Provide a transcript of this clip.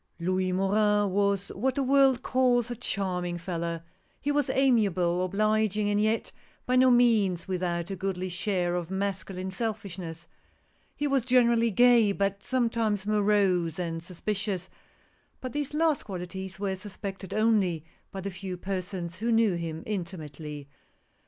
L OUIS MORIN was what the world calls a charm ing fellow. He was amiable, obliging, and yet by no means without a goodly share of masculine selfishness. He was generally gay, but sometimes morose and sus picious ; but these last qualities were suspected only by the few persons who knew him intimately.